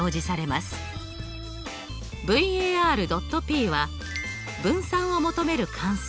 ＶＡＲ．Ｐは分散を求める関数